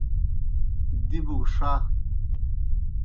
دِبوْ گہ ݜہ۔